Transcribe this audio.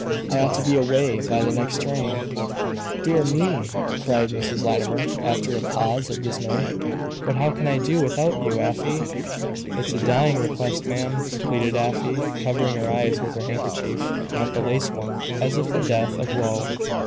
I ought to be away by the next train." "Dear me!" cried Mrs. Latimer, after a pause of dismay. "But how can I do without you, Afy?" "It's a dying request, ma'am," pleaded Afy, covering her eyes with her handkerchief not the lace one as if in the depth of woe.